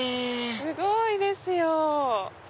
すごいですよ！